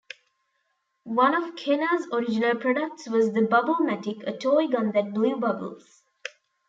One of Kenner's original products was the "Bubble-Matic," a toy gun that blew bubbles.